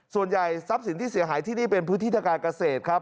ส่วนใหญ่ทรัพย์สินที่เสียหายที่นี่เป็นพื้นที่ทางการเกษตรครับ